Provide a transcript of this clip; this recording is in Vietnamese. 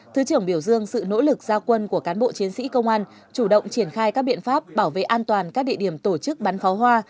thứ trưởng biểu dương sự nỗ lực gia quân của cán bộ chiến sĩ công an chủ động triển khai các biện pháp bảo vệ an toàn các địa điểm tổ chức bắn pháo hoa